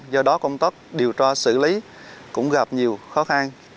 do đó công tóc điều tra xử lý cũng gặp nhiều khó khăn